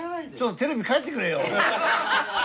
テレビ帰ってくれ。